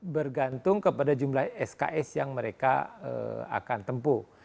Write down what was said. bergantung kepada jumlah sks yang mereka akan tempuh